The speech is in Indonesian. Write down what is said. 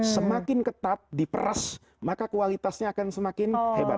semakin ketat diperas maka kualitasnya akan semakin hebat